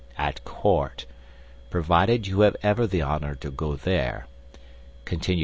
At court, provided you have ever the honor to go there," continued M.